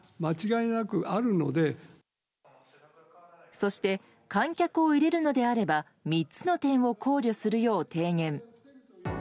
そして観客を入れるのであれば３つの点を考慮するよう提言。